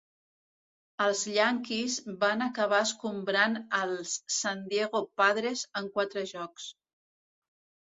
Els Yankees van acabar escombrant els San Diego Padres en quatre jocs.